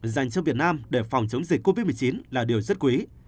dành cho việt nam để phòng chống dịch covid một mươi chín là điều rất quý